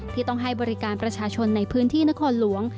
ที่ต้องให้บริการประชาชนในพื้นที่นครหลวง